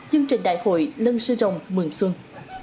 chương trình đại hội lân sư rồng mường xuân